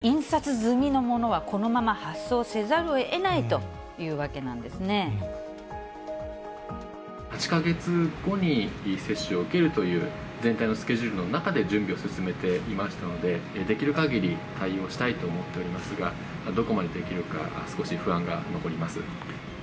そうなんですね、これ、すでに印刷済みのものはこのまま発送せざるをえないというわけな８か月後に接種を受けるという全体のスケジュールの中で準備を進めていましたので、できるかぎり対応したいと思っておりますが、どこまでできるか少し不安が残ります。